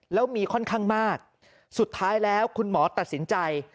แล้วมีค่อนข้างมากสุดท้ายแล้วคุณหมอตัดสินใจ